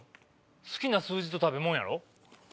好きな数字と食べ物やろ？